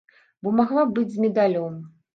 Бо магла быць з медалём.